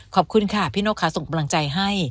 ขอบคุณค่ะพี่นกค่ะส่งกำลังใจให้